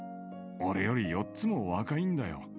俺より４つも若いんだよ。